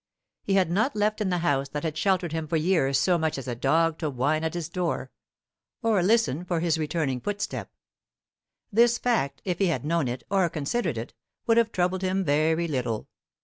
He had not left in the house that had sheltered him for years so much as a dog to whine at his door or listen for his returning footstep. This fact, if he had known it or considered it, would have troubled him very little.